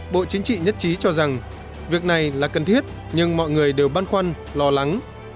bộ chính trị nhất trí cho rằng việc này là cần thiết nhưng mọi người đều băn khoăn lo lắng